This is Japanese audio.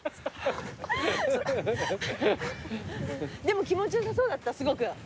でも気持ちよさそうだったすごく。